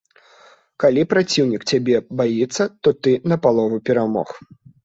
Калі праціўнік цябе баіцца, то ты напалову перамог.